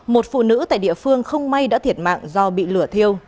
một phụ nữ tại địa phương không may đã thiệt mạng do bị lửa thiêu